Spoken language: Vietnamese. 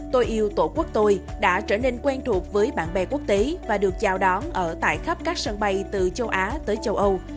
tôi yêu tổ quốc tôi đã trở nên quen thuộc với bạn bè quốc tế và được chào đón ở tại khắp các sân bay từ châu á tới châu âu